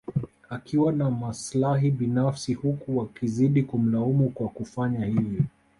Akiwa na maslahi binafsi huku wakazidi kumlaumu kwa kufanya hivyo